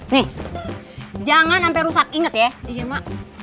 nih jangan sampai rusak inget ya dijema